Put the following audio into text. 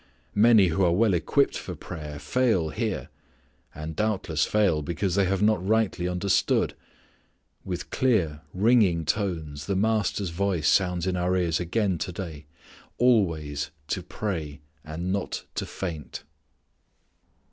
Many who are well equipped for prayer fail here, and doubtless fail because they have not rightly understood. With clear, ringing tones the Master's voice sounds in our ears again to day, "always to pray, and not to faint."